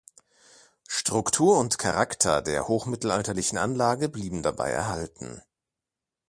Struktur und Charakter der hochmittelalterlichen Anlage blieben dabei erhalten.